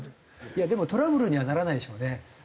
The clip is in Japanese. でもトラブルにはならないでしょうね。